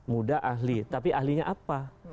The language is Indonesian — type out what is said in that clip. muda ahli tapi ahlinya apa